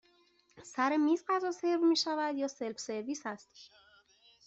سر میز غذا سرو می شود یا سلف سرویس هست؟